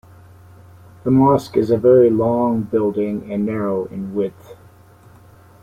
The mosque is a very long building and narrow in width.